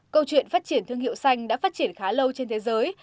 câu chuyện phát triển thương hiệu xanh đã phát triển khá lâu trên thế giới